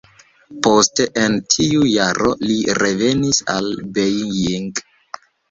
Poste en tiu jaro li revenis al Beijing.